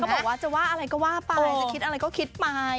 บอกว่าจะว่าอะไรก็ว่าไปจะคิดอะไรก็คิดไป